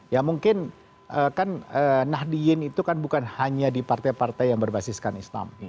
ya mungkin kan nahdiyin itu kan bukan hanya di partai partai yang berbasiskan islam